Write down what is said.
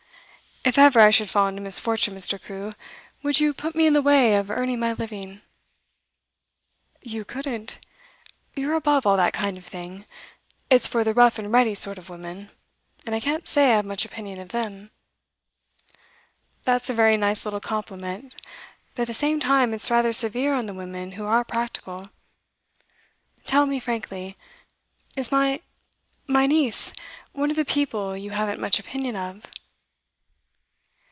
'If ever I should fall into misfortune, Mr. Crewe, would you put me in the way of earning my living.' 'You couldn't. You're above all that kind of thing. It's for the rough and ready sort of women, and I can't say I have much opinion of them.' 'That's a very nice little compliment; but at the same time, it's rather severe on the women who are practical. Tell me frankly: Is my my niece one of the people you haven't much opinion of?